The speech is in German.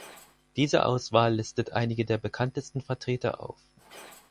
Diese Auswahl listet einige der bekanntesten Vertreter auf.